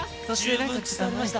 十分伝わりました。